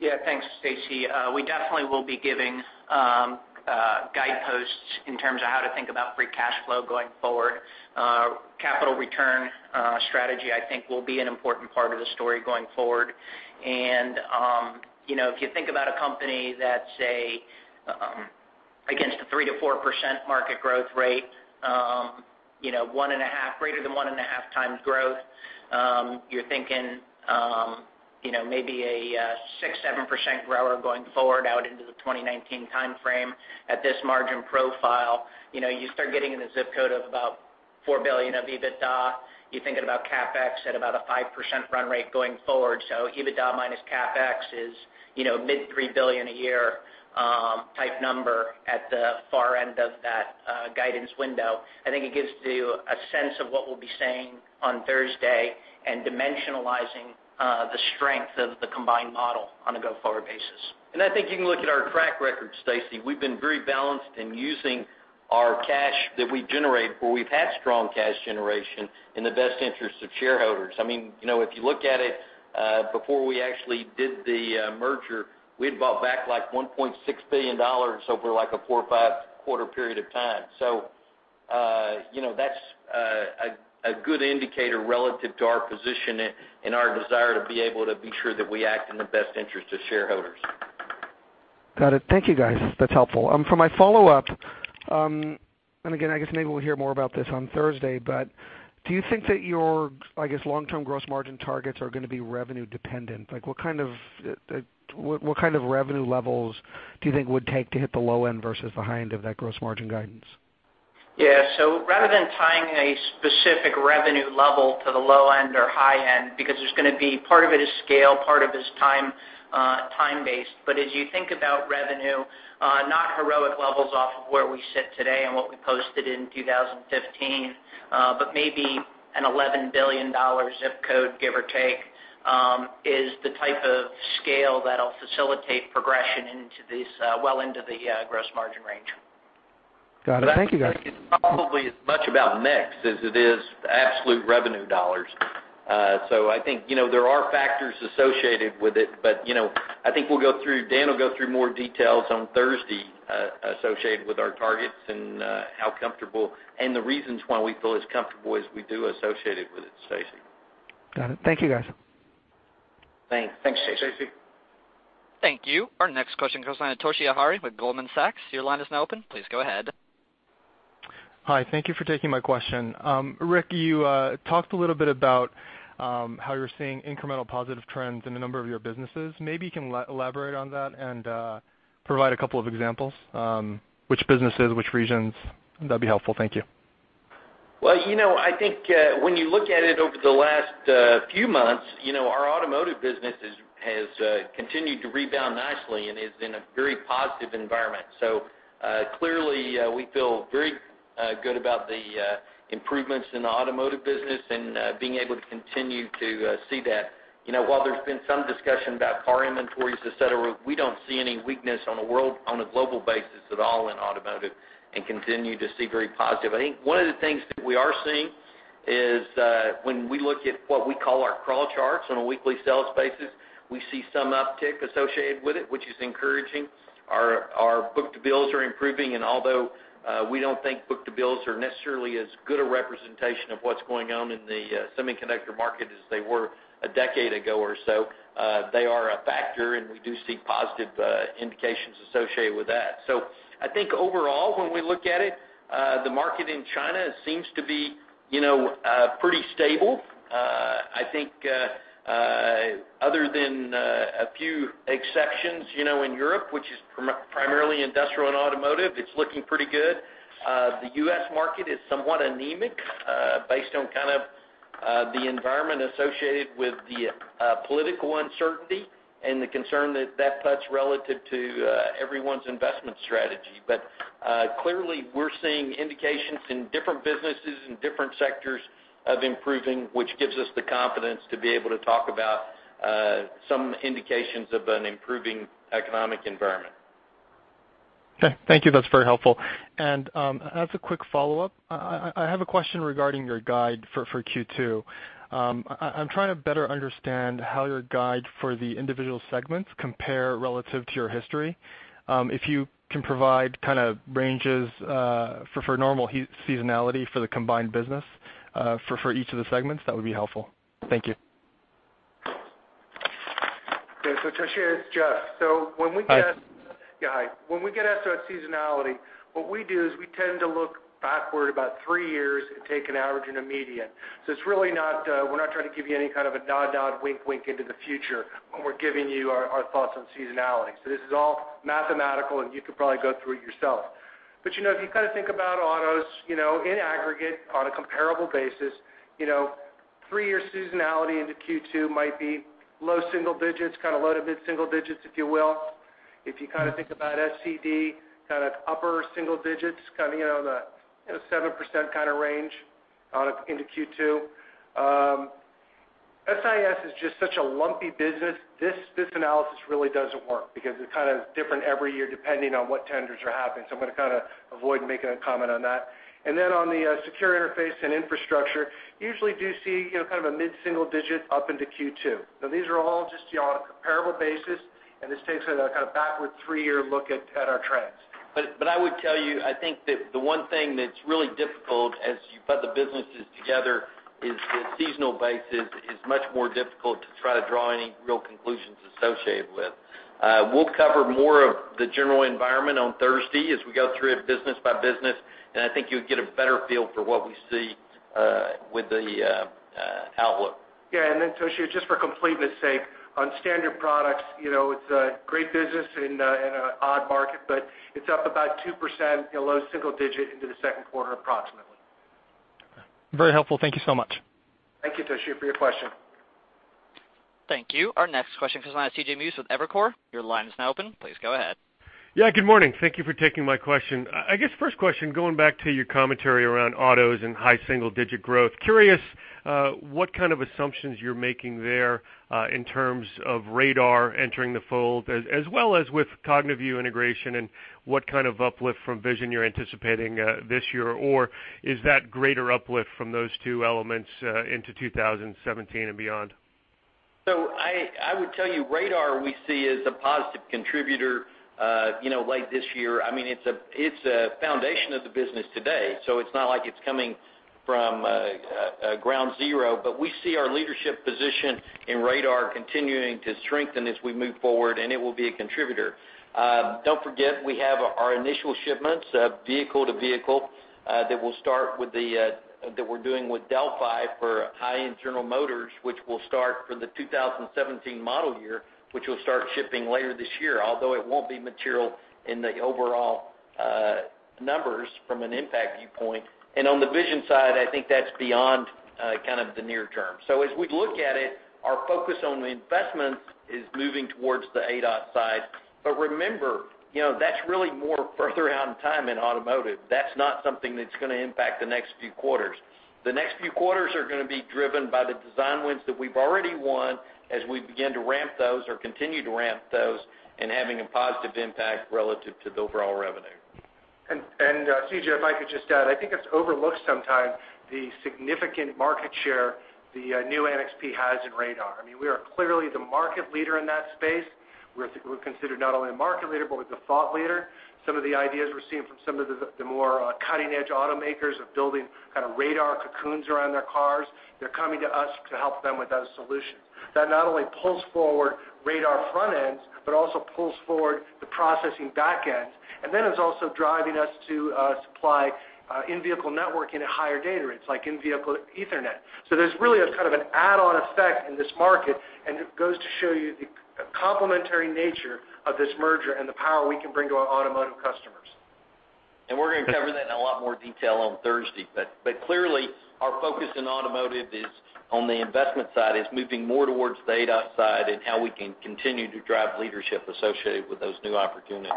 Yeah. Thanks, Stacy. We definitely will be giving guideposts in terms of how to think about free cash flow going forward. Capital return strategy, I think will be an important part of the story going forward. If you think about a company that's against a 3%-4% market growth rate, greater than one and a half times growth, you're thinking maybe a 6%-7% grower going forward out into the 2019 timeframe. At this margin profile, you start getting in the ZIP code of about $4 billion of EBITDA. You're thinking about CapEx at about a 5% run rate going forward. EBITDA minus CapEx is mid $3 billion a year type number at the far end of that guidance window. I think it gives you a sense of what we'll be saying on Thursday and dimensionalizing the strength of the combined model on a go-forward basis. I think you can look at our track record, Stacy. We've been very balanced in using our cash that we generate, where we've had strong cash generation in the best interest of shareholders. If you look at it, before we actually did the merger, we had bought back like $1.6 billion over like a four or five quarter period of time. That's a good indicator relative to our position and our desire to be able to be sure that we act in the best interest of shareholders. Got it. Thank you, guys. That's helpful. For my follow-up, and again, I guess maybe we'll hear more about this on Thursday, but do you think that your long-term gross margin targets are going to be revenue dependent? What kind of revenue levels do you think it would take to hit the low end versus the high end of that gross margin guidance? Yeah. Rather than tying a specific revenue level to the low end or high end, because part of it is scale, part of it is time-based. As you think about revenue, not heroic levels off of where we sit today and what we posted in 2015, but maybe an $11 billion ZIP code, give or take, is the type of scale that'll facilitate progression well into the gross margin range. Got it. Thank you, guys. It's probably as much about mix as it is absolute revenue dollars. I think there are factors associated with it, but I think Dan will go through more details on Thursday, associated with our targets and how comfortable, and the reasons why we feel as comfortable as we do associated with it, Stacy. Got it. Thank you, guys. Thanks, Stacy. Thanks, Stacy. Thank you. Our next question comes from Toshiya Hari with Goldman Sachs. Your line is now open. Please go ahead. Hi. Thank you for taking my question. Rick, you talked a little bit about how you're seeing incremental positive trends in a number of your businesses. Maybe you can elaborate on that and provide a couple of examples, which businesses, which regions, that'd be helpful. Thank you. I think when you look at it over the last few months, our automotive business has continued to rebound nicely and is in a very positive environment. Clearly, we feel very good about the improvements in the automotive business and being able to continue to see that. While there's been some discussion about car inventories, et cetera, we don't see any weakness on a global basis at all in automotive and continue to see very positive. I think one of the things that we are seeing is when we look at what we call our crawl charts on a weekly sales basis, we see some uptick associated with it, which is encouraging. Our book-to-bills are improving, although we don't think book-to-bills are necessarily as good a representation of what's going on in the semiconductor market as they were a decade ago or so, they are a factor, and we do see positive indications associated with that. I think overall, when we look at it, the market in China seems to be pretty stable. I think other than a few exceptions in Europe, which is primarily industrial and automotive, it's looking pretty good. The U.S. market is somewhat anemic, based on kind of the environment associated with the political uncertainty and the concern that that puts relative to everyone's investment strategy. Clearly we're seeing indications in different businesses and different sectors of improving, which gives us the confidence to be able to talk about some indications of an improving economic environment. Okay. Thank you. That's very helpful. As a quick follow-up, I have a question regarding your guide for Q2. I'm trying to better understand how your guide for the individual segments compare relative to your history. If you can provide kind of ranges for normal seasonality for the combined business for each of the segments, that would be helpful. Thank you. Yeah. Toshiya, it's Jeff. Hi. Yeah, hi. When we get asked about seasonality, what we do is we tend to look backward about three years and take an average and a median. We're not trying to give you any kind of a nod nod, wink wink into the future when we're giving you our thoughts on seasonality. This is all mathematical, and you could probably go through it yourself. If you kind of think about autos in aggregate on a comparable basis, three-year seasonality into Q2 might be low single digits, kind of low to mid single digits, if you will. If you kind of think about SCD, kind of upper single digits, kind of the 7% kind of range into Q2. SIS is just such a lumpy business. This analysis doesn't really work because it's kind of different every year depending on what tenders are happening, I'm going to kind of avoid making a comment on that. On the Secure Interfaces and Infrastructure, usually do see kind of a mid-single digit up into Q2. Now, these are all just on a comparable basis, and this takes a kind of backward three-year look at our trends. I would tell you, I think that the one thing that's really difficult as you put the businesses together is the seasonal basis is much more difficult to try to draw any real conclusions associated with. We'll cover more of the general environment on Thursday as we go through it business by business, and I think you'll get a better feel for what we see with the outlook. Yeah. Toshiya, just for completeness' sake, on standard products, it's a great business in an odd market, but it's up about 2%, low single digit into the second quarter, approximately. Very helpful. Thank you so much. Thank you, Toshiya, for your question. Thank you. Our next question comes from C.J. Muse with Evercore. Your line is now open. Please go ahead. Yeah, good morning. Thank you for taking my question. I guess first question, going back to your commentary around autos and high single-digit growth, curious what kind of assumptions you're making there in terms of radar entering the fold, as well as with CogniVue integration and what kind of uplift from vision you're anticipating this year. Or is that greater uplift from those two elements into 2017 and beyond? I would tell you, radar we see as a positive contributor late this year. It's a foundation of the business today, so it's not like it's coming from ground zero. We see our leadership position in radar continuing to strengthen as we move forward, and it will be a contributor. Don't forget, we have our initial shipments, vehicle to vehicle, that we're doing with Delphi for high internal motors, which will start for the 2017 model year, which will start shipping later this year, although it won't be material in the overall numbers from an impact viewpoint. On the vision side, I think that's beyond kind of the near term. As we look at it, our focus on the investments is moving towards the ADAS side. Remember, that's really more further out in time in automotive. That's not something that's going to impact the next few quarters. The next few quarters are going to be driven by the design wins that we've already won as we begin to ramp those or continue to ramp those and having a positive impact relative to the overall revenue. CJ, if I could just add, I think it's overlooked sometimes the significant market share the new NXP has in radar. We are clearly the market leader in that space. We're considered not only a market leader, but we're the thought leader. Some of the ideas we're seeing from some of the more cutting edge automakers of building kind of radar cocoons around their cars, they're coming to us to help them with those solutions. That not only pulls forward radar front ends, but also pulls forward the processing back ends, and then is also driving us to supply in-vehicle networking at higher data rates, like in-vehicle Ethernet. There's really a kind of an add-on effect in this market, and it goes to show you the complementary nature of this merger and the power we can bring to our automotive customers. We're going to cover that in a lot more detail on Thursday. Clearly, our focus in automotive is on the investment side, is moving more towards the ADAS side and how we can continue to drive leadership associated with those new opportunities.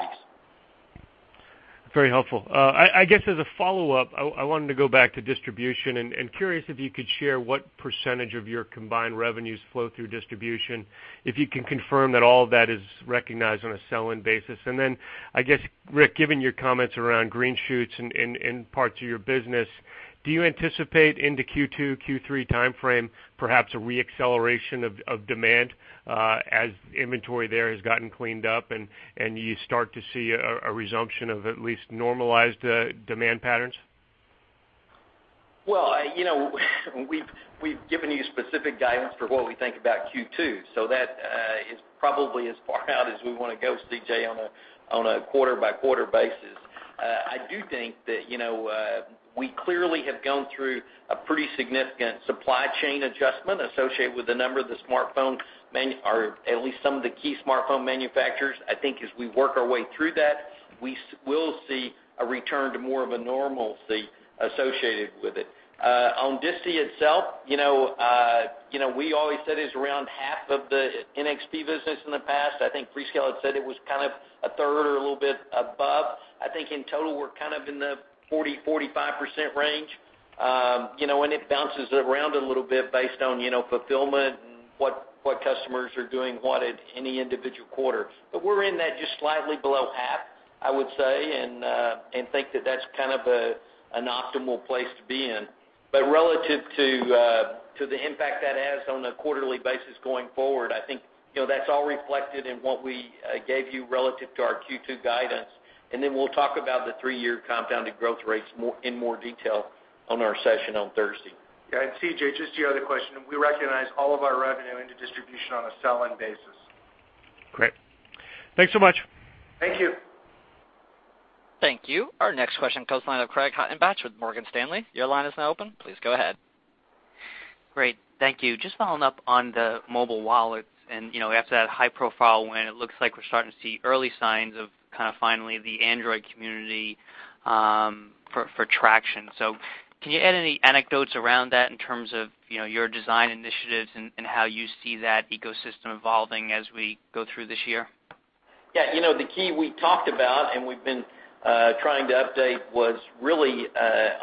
Very helpful. I guess as a follow-up, I wanted to go back to distribution and curious if you could share what % of your combined revenues flow through distribution, if you can confirm that all of that is recognized on a sell-in basis. Then, I guess, Rick, given your comments around green shoots in parts of your business, do you anticipate into Q2, Q3 timeframe, perhaps a re-acceleration of demand as inventory there has gotten cleaned up and you start to see a resumption of at least normalized demand patterns? Well, we've given you specific guidance for what we think about Q2, so that is probably as far out as we want to go, C.J., on a quarter-by-quarter basis. I do think that we clearly have gone through a pretty significant supply chain adjustment associated with a number of the smartphone, or at least some of the key smartphone manufacturers. I think as we work our way through that, we will see a return to more of a normalcy associated with it. On distie itself, we always said it's around half of the NXP business in the past. I think Freescale had said it was kind of a third or a little bit above. I think in total, we're kind of in the 40%, 45% range. It bounces around a little bit based on fulfillment and what customers are doing, what at any individual quarter. We're in that just slightly below half, I would say, and think that that's kind of an optimal place to be in. Relative to the impact that has on a quarterly basis going forward, I think that's all reflected in what we gave you relative to our Q2 guidance, then we'll talk about the three-year compounded growth rates in more detail on our session on Thursday. Yeah, C.J., just to your other question, we recognize all of our revenue into distribution on a sell-in basis. Great. Thanks so much. Thank you. Thank you. Our next question comes line of Craig Hettenbach with Morgan Stanley. Your line is now open. Please go ahead. Great. Thank you. Just following up on the mobile wallets and after that high profile win, it looks like we're starting to see early signs of kind of finally the Android community for traction. Can you add any anecdotes around that in terms of your design initiatives and how you see that ecosystem evolving as we go through this year? Yeah. The key we talked about and we've been trying to update was really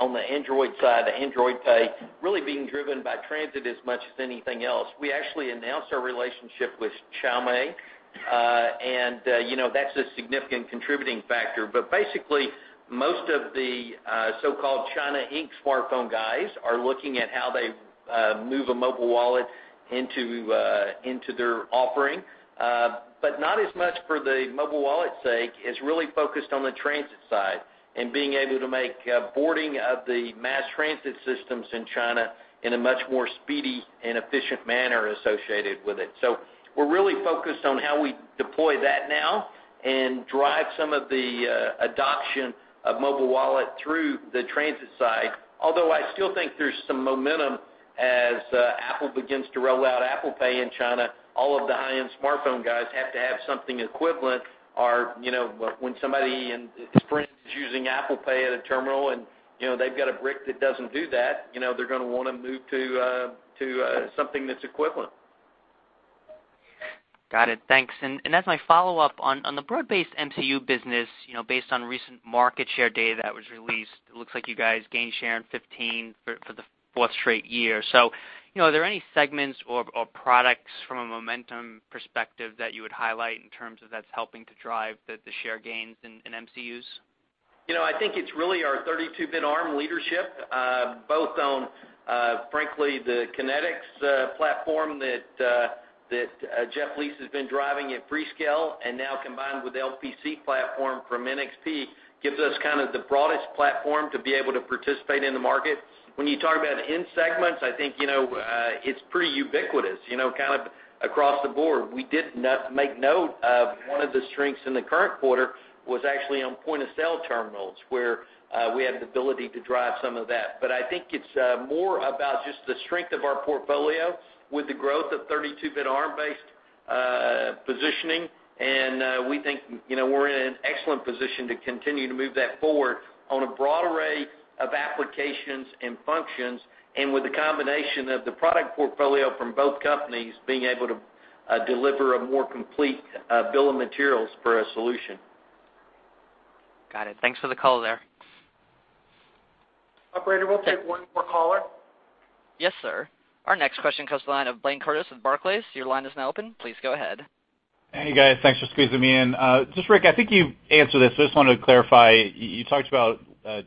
on the Android side, the Android Pay really being driven by transit as much as anything else. We actually announced our relationship with Xiaomi, and that's a significant contributing factor. Basically, most of the so-called China Inc. smartphone guys are looking at how they move a mobile wallet into their offering. Not as much for the mobile wallet's sake. It's really focused on the transit side and being able to make boarding of the mass transit systems in China in a much more speedy and efficient manner associated with it. We're really focused on how we deploy that now and drive some of the adoption of mobile wallet through the transit side. Although I still think there's some momentum as Apple begins to roll out Apple Pay in China, all of the high-end smartphone guys have to have something equivalent or when somebody in Sprint is using Apple Pay at a terminal and they've got a brick that doesn't do that, they're going to want to move to something that's equivalent. Got it. Thanks. As my follow-up on the broad-based MCU business based on recent market share data that was released, it looks like you guys gained share in 2015 for the fourth straight year. Are there any segments or products from a momentum perspective that you would highlight in terms of that's helping to drive the share gains in MCUs? I think it's really our 32-bit ARM leadership, both on, frankly, the ConnectX platform that Geoff Lees has been driving at Freescale and now combined with the LPC platform from NXP, gives us kind of the broadest platform to be able to participate in the market. When you talk about end segments, I think it's pretty ubiquitous, kind of across the board. We did make note of one of the strengths in the current quarter was actually on point-of-sale terminals, where we had the ability to drive some of that. I think it's more about just the strength of our portfolio with the growth of 32-bit ARM-based positioning, and we think we're in an excellent position to continue to move that forward on a broad array of applications and functions, and with the combination of the product portfolio from both companies being able to deliver a more complete bill of materials for a solution. Got it. Thanks for the color there. Operator, we'll take one more caller. Yes, sir. Our next question comes to the line of Blayne Curtis with Barclays. Your line is now open. Please go ahead. Hey, guys. Thanks for squeezing me in. Just Rick, I think you answered this, so I just wanted to clarify. You talked about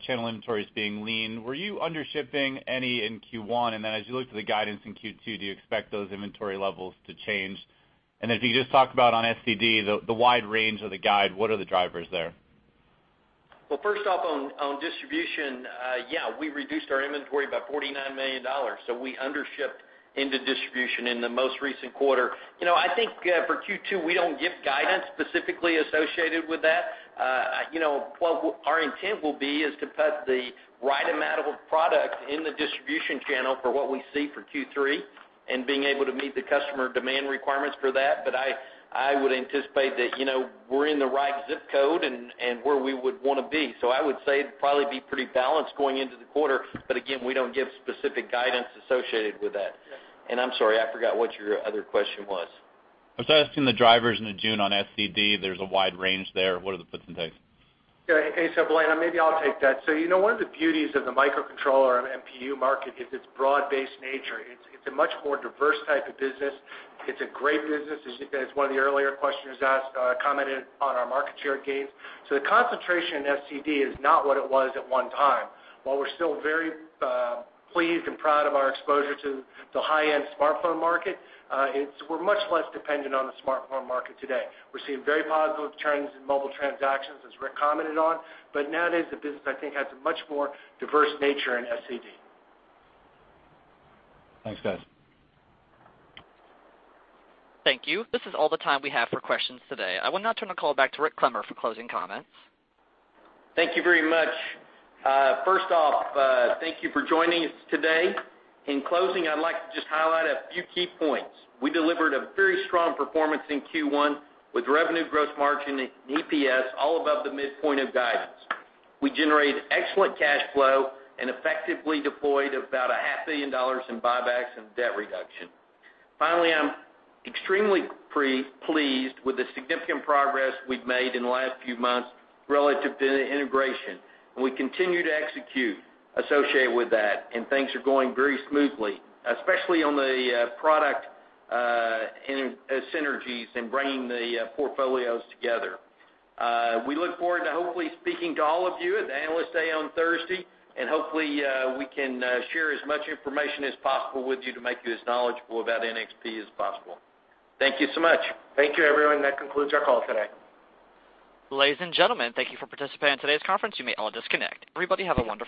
channel inventories being lean. Were you under-shipping any in Q1? As you look to the guidance in Q2, do you expect those inventory levels to change? If you just talk about on SCD, the wide range of the guide, what are the drivers there? Well, first off on distribution, yeah, we reduced our inventory by $49 million. We under-shipped into distribution in the most recent quarter. I think for Q2, we don't give guidance specifically associated with that. What our intent will be is to put the right amount of product in the distribution channel for what we see for Q3 and being able to meet the customer demand requirements for that. I would anticipate that we're in the right zip code and where we would want to be. I would say it'd probably be pretty balanced going into the quarter. Again, we don't give specific guidance associated with that. I'm sorry, I forgot what your other question was. I was asking the drivers into June on SCD. There's a wide range there. What are the puts and takes? Yeah. Blayne, maybe I'll take that. One of the beauties of the microcontroller and MPU market is its broad-based nature. It's a much more diverse type of business. It's a great business, as one of the earlier questioners asked, commented on our market share gains. The concentration in SCD is not what it was at one time. While we're still very pleased and proud of our exposure to the high-end smartphone market, we're much less dependent on the smartphone market today. We're seeing very positive trends in mobile transactions, as Rick commented on. Nowadays, the business, I think, has a much more diverse nature in SCD. Thanks, guys. Thank you. This is all the time we have for questions today. I will now turn the call back to Rick Clemmer for closing comments. Thank you very much. First off, thank you for joining us today. In closing, I'd like to just highlight a few key points. We delivered a very strong performance in Q1 with revenue gross margin and EPS all above the midpoint of guidance. We generated excellent cash flow and effectively deployed about a half billion dollars in buybacks and debt reduction. Finally, I'm extremely pleased with the significant progress we've made in the last few months relative to the integration. We continue to execute associated with that, and things are going very smoothly, especially on the product synergies and bringing the portfolios together. We look forward to hopefully speaking to all of you at the Analyst Day on Thursday, and hopefully, we can share as much information as possible with you to make you as knowledgeable about NXP as possible. Thank you so much. Thank you, everyone. That concludes our call today. Ladies and gentlemen, thank you for participating in today's conference. You may all disconnect. Everybody, have a wonderful day.